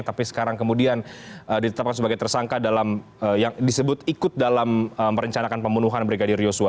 tapi sekarang kemudian ditetapkan sebagai tersangka dalam yang disebut ikut dalam merencanakan pembunuhan brigadir yosua